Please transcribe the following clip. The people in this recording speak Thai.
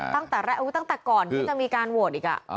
ตั้งแต่ก่อนที่จะมีการโหวตอีกอ่ะ